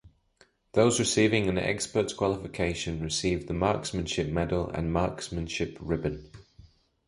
Those receiving an Expert qualification receive the Marksmanship Medal and Marksmanship Ribbon.